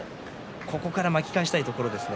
ここから巻き返したいところです。